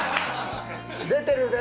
出てるで。